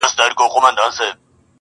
د سړي د کور په خوا کي یو لوی غار وو,